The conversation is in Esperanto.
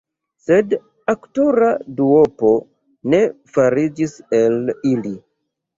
Sed aktora duopo ne fariĝis el ili.